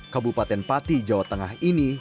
kabupaten pati jawa tengah ini